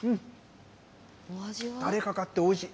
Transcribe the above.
たれかかって、おいしい。